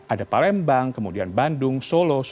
ada palembang kemudian bandung solo surabaya dan bali